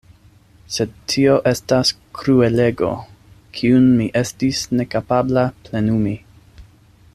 Sed tio estas kruelego, kiun mi estis nekapabla plenumi.